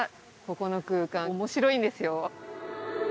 ここの空間面白いんですよ